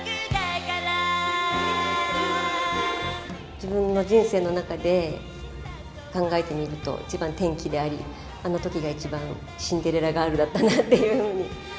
自分の人生の中で考えてみると、一番転機であり、あのときが一番シンデレラガールだったなっていうふうに。